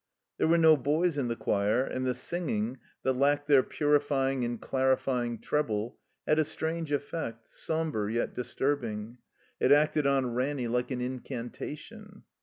There were no boys in the choir, and the singing, that lacked their purifying and darifjdng treble, had a strange effect, somber yet disturbing. It acted on Ramiy like an incantation.